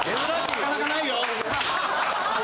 ・・なかなかないよ！